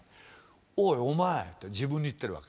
「おいお前」って自分に言ってるわけ。